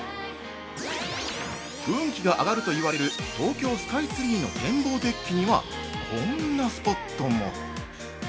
◆運気が上がるといわれる東京スカイツリーの天望デッキにはこんなスポットも。